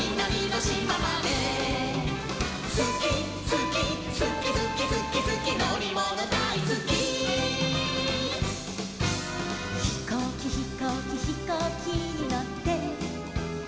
「すきすきすきすきすきすきのりものだいすき」「ひこうきひこうきひこうきにのって」